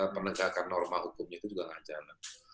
penegakan norma hukumnya itu juga nggak jalan